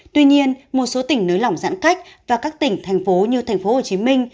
tuy nhiên một số tỉnh nới lỏng giãn cách và các tỉnh thành phố như thành phố hồ chí minh